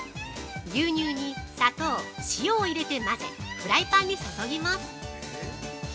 牛乳に砂糖、塩を入れて混ぜフライパンに注ぎます。